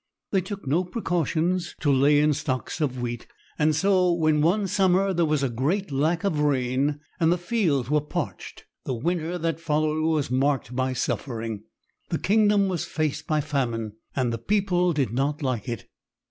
They took no precautions to lay in stocks of wheat, and so when one summer there was a great lack of rain and the fields were parched, the winter that followed was marked by suffering. The kingdom was faced by famine, and the people did not like it.